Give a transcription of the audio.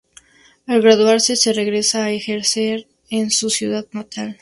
Al graduarse, se regresa a ejercer en su ciudad natal.